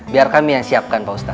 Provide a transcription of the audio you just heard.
biar kami yang siapkan pak ustadz